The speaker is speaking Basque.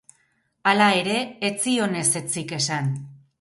Hala ere, ez zion ezetzik esan.